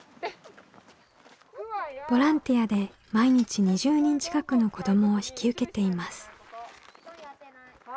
ボランティアで毎日２０人近くの子どもを引き受けています。